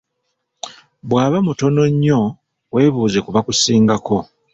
Bw'aba mutono nnyo weebuuze ku bakusingako.